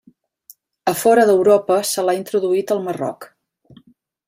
A fora d'Europa se l'ha introduït al Marroc.